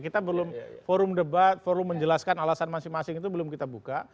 kita belum forum debat forum menjelaskan alasan masing masing itu belum kita buka